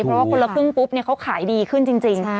เพราะว่าคนละครึ่งปุ๊บเขาขายดีขึ้นจริง